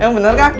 emang bener kang